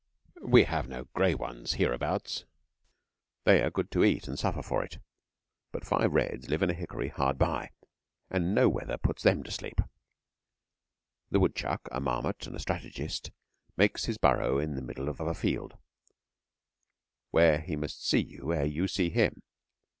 We have no gray ones hereabouts (they are good to eat and suffer for it), but five reds live in a hickory hard by, and no weather puts them to sleep. The wood chuck, a marmot and a strategist, makes his burrow in the middle of a field, where he must see you ere you see him.